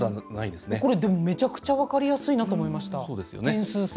でもこれめちゃくちゃ分かりやすいなと思いました。